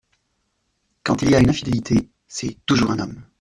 Quand il y a une infidélité, c’est toujours un homme.